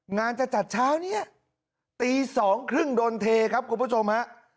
งานจะจัดเช้านี้ตี๒๓๐โดนเทครับคุณผู้ชมฮะ